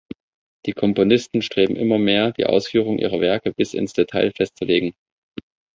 Die Komponisten strebten immer mehr, die Ausführung ihrer Werke bis ins Detail festzulegen.